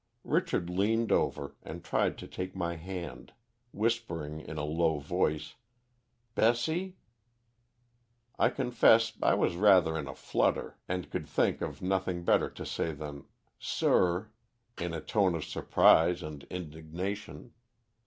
Richard leaned over, and tried to take my hand, whispering, in a low voice, 'Bessie.' I confess I was rather in a flutter, and could think of nothing better to say than 'Sir!' in a tone of surprise and indignation.